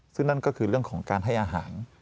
ซึ่งนั่นก็คือเรื่องของการให้อาหาร